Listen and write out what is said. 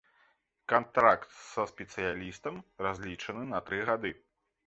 Кантракт са спецыялістам разлічаны на тры гады.